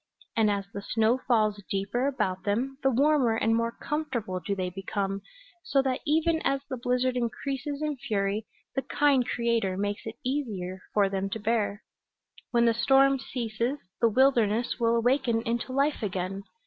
And as the snow falls deeper about them the warmer and more comfortable do they become, so that even as the blizzard increases in fury the kind Creator makes it easier for them to bear. When the storm ceases the wilderness will awaken into life again.